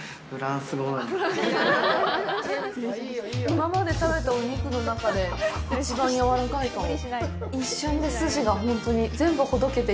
今まで食べたお肉の中で一番やわらかいかも。